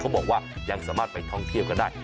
บอกว่ายังสามารถไปท่องเที่ยวกันได้